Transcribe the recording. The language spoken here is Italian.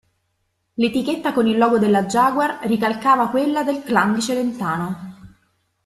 L'etichetta con il logo della Jaguar ricalcava quella del Clan di Celentano.